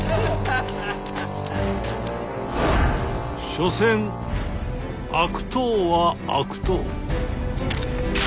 所詮悪党は悪党。